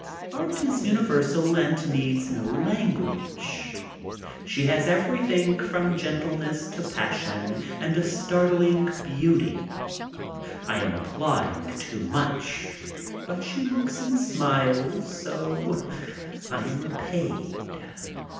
Art is universal and needs no language. She has everything from gentle ness to passion and a startling beauty. I am applauding too much, but she looks and smiles, so I am repaid.